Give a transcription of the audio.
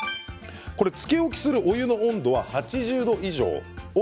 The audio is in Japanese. つけ置きする、お湯の温度は８０度以上。